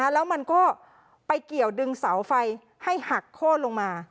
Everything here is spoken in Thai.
แล้วมันก็ไปเกี่ยวดึงเสาไฟให้หักโค้นลงมา